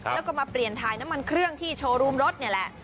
แล้วก็มาเปลี่ยนถ่ายน้ำมันเครื่องที่โชว์รูมรถนี่แหละ